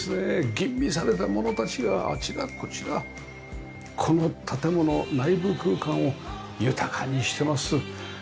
吟味されたものたちがあちらこちらこの建物内部空間を豊かにしてます。